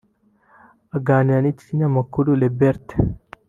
Aganira n’ikinyamakuru Liberte